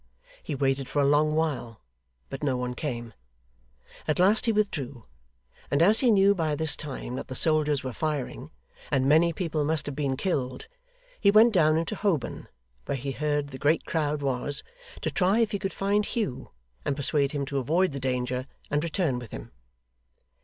He waited for a long while, but no one came. At last he withdrew; and as he knew by this time that the soldiers were firing, and many people must have been killed, he went down into Holborn, where he heard the great crowd was, to try if he could find Hugh, and persuade him to avoid the danger, and return with him.